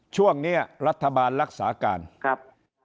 พักเล็กกระทบพักใหญ่ก็กระทบ